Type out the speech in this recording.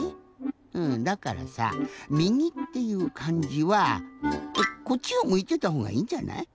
うんだからさ「右」っていうかんじはこっちをむいてたほうがいいんじゃない？